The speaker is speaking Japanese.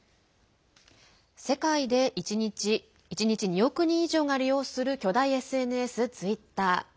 世界で１日２億人以上が利用する巨大ＳＮＳ、ツイッター。